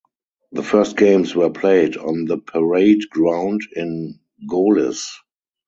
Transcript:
Their first games were played on the parade ground in Gohlis.